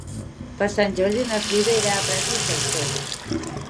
Per Sant Jordi na Frida irà a Prats i Sansor.